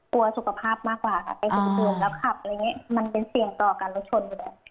กลัวสุขภาพมากกว่ากับไปดื่มแล้วขับมันเป็นเสี่ยงต่อกันแล้วชน